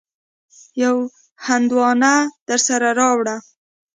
يوه هندواڼه درسره راوړه.